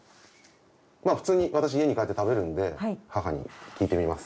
まぁ普通に私家に帰って食べるんで母に聞いてみます。